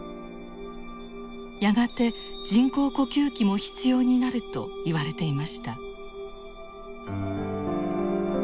やがて人工呼吸器も必要になると言われていました。